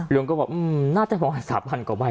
ลุงก็บอกน่าจะประมาณ๓๐๐กว่าใบ